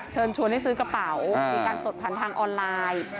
เชิญชวนให้ซื้อกระเป๋ามีการสดผ่านทางออนไลน์